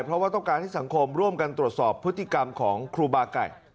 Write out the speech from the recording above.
เพราะว่าต้องการให้สังคมร่วมกันตรวจสอบพฤติกรรมของครูบาไก่